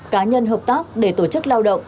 cá nhân hợp tác để tổ chức lao động